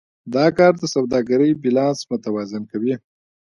دا کار د سوداګرۍ بیلانس متوازن کوي.